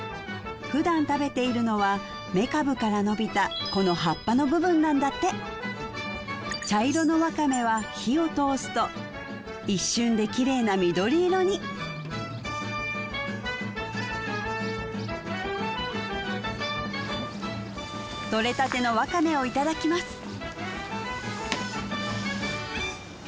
ふだん食べているのはめかぶから伸びたこの葉っぱの部分なんだって茶色のワカメは火を通すと一瞬できれいな緑色にとれたてのワカメをいただきます